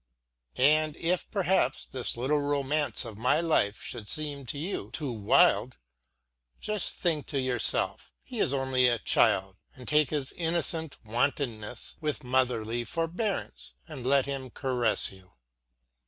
And if, perhaps, this little romance of my life should seem to you too wild, just think to yourself: He is only a child and take his innocent wantonness with motherly forbearance and let him caress you.